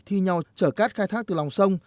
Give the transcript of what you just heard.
thi nhau chở cát khai thác từ lòng sông